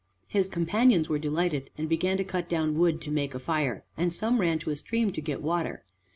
His companions were delighted and began to cut down wood to make a fire, and some ran to a stream to get water.